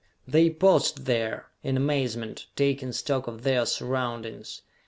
They paused there, in amazement, taking stock of their surroundings.